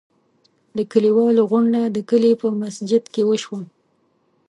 د کلیوالو غونډه د کلي په مسجد کې وشوه.